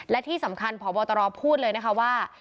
และที่สำคัญพบตรพูดเลยนะคะว่า